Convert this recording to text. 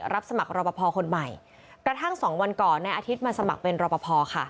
รับสมัครรอปภคนใหม่กระทั่งสองวันก่อนในอาทิตย์มาสมัครเป็นรอปภค่ะ